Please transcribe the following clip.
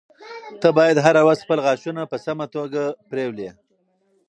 ته باید هره ورځ خپل غاښونه په سمه توګه ومینځې.